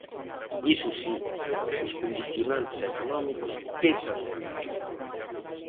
Iso si, os condicionantes económicos pesan moito.